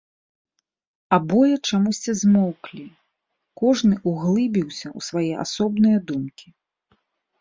Абое чамусьці змоўклі, кожны ўглыбіўся ў свае асобныя думкі.